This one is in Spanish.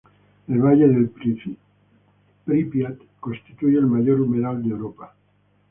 El valle del Prípiat constituye el mayor humedal de Europa.